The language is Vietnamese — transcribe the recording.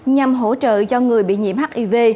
nhằm hỗ trợ cho người bị nhiễm hiv